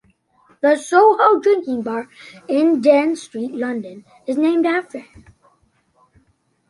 The Soho drinking bar in Dean Street, London, is named after him.